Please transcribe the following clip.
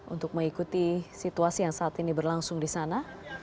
untuk mengikuti situasi yang saat ini berlangsung di sana